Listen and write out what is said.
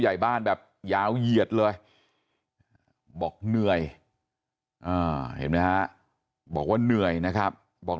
ใหญ่บ้านแบบยาวเหยียดเลยบอกเหนื่อยเห็นไหมฮะบอกว่าเหนื่อยนะครับบอก